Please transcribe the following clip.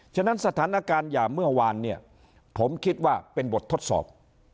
ฉะนั้นสถานการณ์หย่าเมื่อวานเนี่ยผมคิดว่าเป็นบททดสอบ